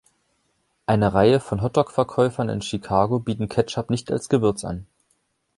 Eine Reihe von Hot Dog-Verkäufern in Chicago bieten Ketchup nicht als Gewürz an.